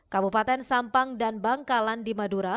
kabupaten sampang dan bangkalan di madura